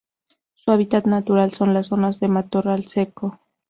Su hábitat natural son las zonas de matorral seco.